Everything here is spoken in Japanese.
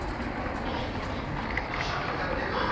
「どうするってお前年は取りたくねえなあ。